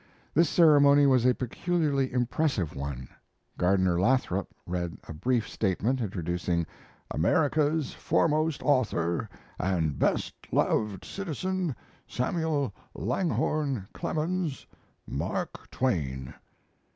This ceremony was a peculiarly impressive one. Gardner Lathrop read a brief statement introducing "America's foremost author and best loved citizen, Samuel Langhorne Clemens Mark Twain."